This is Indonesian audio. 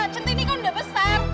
centini kan udah besar